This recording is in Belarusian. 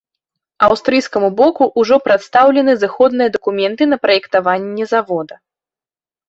Аўстрыйскаму боку ўжо прадастаўлены зыходныя дакументы на праектаванне завода.